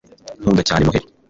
nkunda cyane noheri